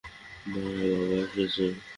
মা, বাবা এসেছে।